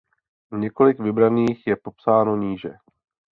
Několik vybraných je popsáno níže.